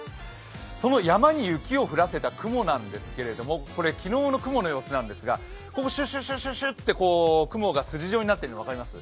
その山に雪を降らせた雲なんですけれども、これ、昨日の雲の様子なんですがシュッシュッシュッと雲が筋状になってるの分かります？